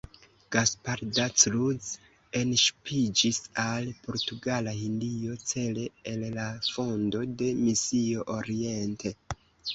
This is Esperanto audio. Gaspar da Cruz enŝipiĝis al Portugala Hindio cele al la fondo de misio Oriente.